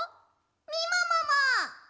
みももも。